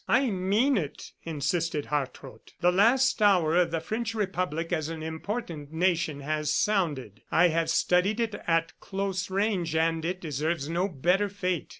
"I mean it," insisted Hartrott. "The last hour of the French Republic as an important nation has sounded. I have studied it at close range, and it deserves no better fate.